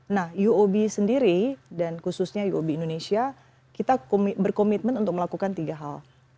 nah uob sendiri dan khususnya uob indonesia kita berkomitmen untuk melakukan tiga hal